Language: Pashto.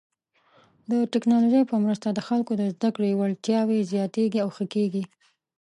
د ټکنالوژۍ په مرسته د خلکو د زده کړې وړتیاوې زیاتېږي او ښه کیږي.